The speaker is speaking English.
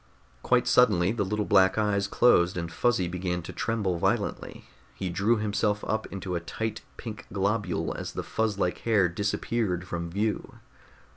Quite suddenly the little black eyes closed and Fuzzy began to tremble violently. He drew himself up into a tight pink globule as the fuzz like hair disappeared from view.